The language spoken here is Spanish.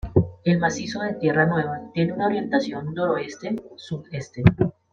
El macizo de Tierra Nueva tiene una orientación noroeste sudeste.